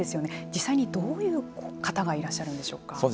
実際にどういう方がいらっしゃるんでしょうか。